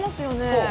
そう。